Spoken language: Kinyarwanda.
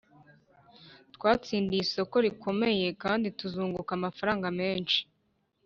Twatsindiye isoko rikomeye kandi tuzunguka amafaranga menshi